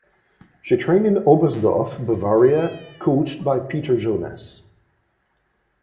She trained in Oberstdorf, Bavaria, coached by Peter Jonas.